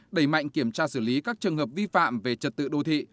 đẩy mạnh kiểm tra xử lý các trường hợp vi phạm về trật tự đô thị